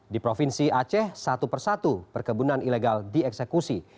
di provinsi aceh satu persatu perkebunan ilegal dieksekusi